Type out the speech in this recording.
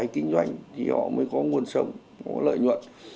kinh doanh thì họ mới có nguồn sống họ có lợi nhuận